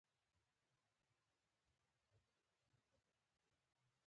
شاړه نه وه که هواره او که غر و